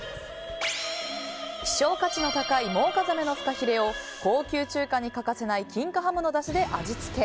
希少価値の高いモウカザメのフカヒレを高級中華に欠かせない金華ハムのだしで味付け。